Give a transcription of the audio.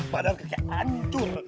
badan kecil hancur